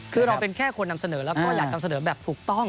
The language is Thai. คือเราเป็นแค่คนนำเสนอแล้วก็อยากนำเสนอแบบถูกต้อง